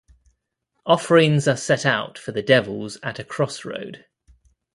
Offerings are set out for the devils at a crossroad.